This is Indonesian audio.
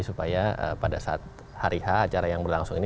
supaya pada saat hari h acara yang berlangsung ini